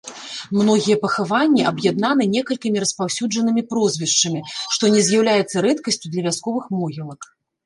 Многія пахаванні аб'яднаны некалькімі распаўсюджанымі прозвішчамі, што не з'яўляецца рэдкасцю для вясковых могілак.